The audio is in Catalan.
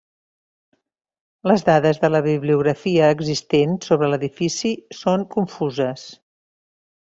Les dades de la bibliografia existent sobre l'edifici són confuses.